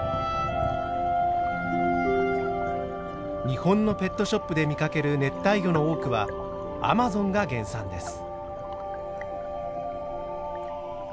日本のペットショップで見かける熱帯魚の多くはアマゾンが原産です。